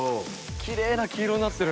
キレイな黄色になってる。